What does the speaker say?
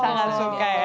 sangat suka ya